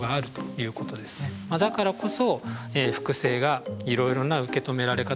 だからこそ複製がいろいろな受け止められ方をする。